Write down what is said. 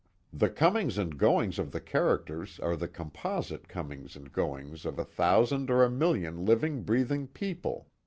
The comings and goings of the characters are the composite comings and goings of a thousand or a million living breathing people.